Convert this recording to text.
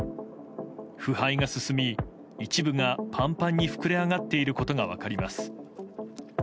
腐敗が進み、一部がパンパンに膨れ上がっていることが分かります。